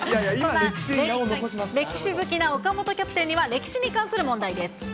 歴史好きな岡本キャプテンには歴史に関する問題です。